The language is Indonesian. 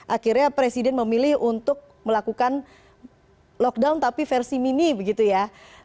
akhirnya presiden memilih untuk melakukan lockdown tapi versi mini begitu ya